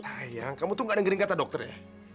ayah kamu tuh gak dengerin kata dokter ya